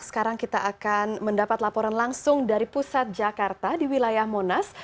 sekarang kita akan mendapat laporan langsung dari pusat jakarta di wilayah monas